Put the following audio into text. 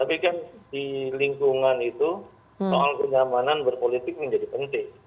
tapi kan di lingkungan itu soal kenyamanan berpolitik menjadi penting